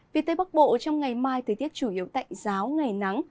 vì tây bắc bộ trong ngày mai thời tiết chủ yếu tạnh giáo ngày nắng